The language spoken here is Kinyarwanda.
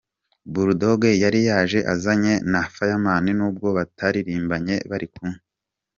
Bull Dogg yari yaje azanye na Firmaman n'ubwo bataririmbanye bari kumwe.